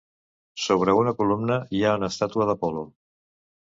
Sobre una columna, hi ha una estàtua d'Apol·lo.